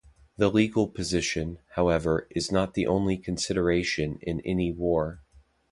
The legal position, however, is not the only consideration in any war.